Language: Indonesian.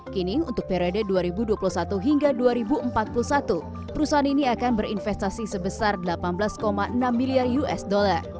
kini untuk periode dua ribu dua puluh satu hingga dua ribu empat puluh satu perusahaan ini akan berinvestasi sebesar delapan belas enam miliar usd